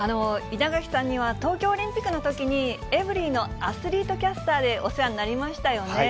稲垣さんには、東京オリンピックのときに、エブリィのアスリートキャスターでお世話になりましたよね。